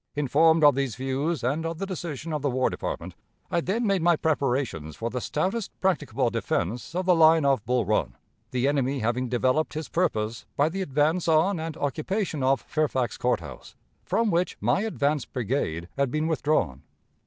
Informed of these views, and of the decision of the War Department, I then made my preparations for the stoutest practicable defense of the line of Bull Run, the enemy having developed his purpose, by the advance on and occupation of Fairfax Court House, from which my advance brigade had been withdrawn.